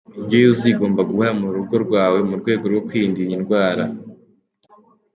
Indyo yuzuye igomba guhora mu rugo rwawe mu rwego rwo kwirinda iyi ndwara.